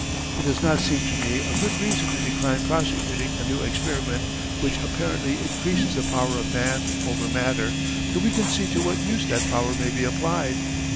It does not seem to me a good reason to decline prosecuting a new Experiment which apparently increases the power of Man over Matter, till we can see to what Use that Power may be applied.